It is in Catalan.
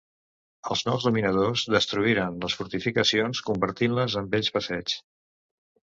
Els nous dominadors destruïren les fortificacions, convertint-les en bells passeigs.